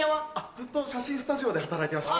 ずっと写真スタジオで働いてました。